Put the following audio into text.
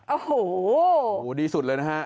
โอ้โหดีสุดเลยนะฮะ